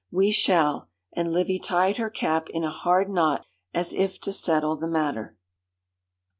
'We shall!' and Livy tied her cap in a hard knot as if to settle the matter.